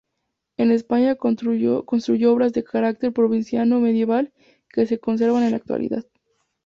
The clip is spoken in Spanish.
En España construyó obras de carácter provinciano medieval que se conservan en la actualidad.